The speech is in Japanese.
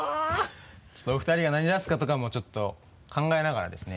ちょっとお二人が何出すかとかもちょっと考えながらですね。